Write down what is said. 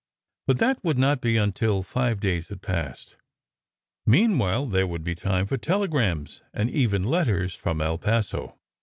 But that would not be until five days had passed. Meanwhile, there would be time for telegrams and even letters from El Paso.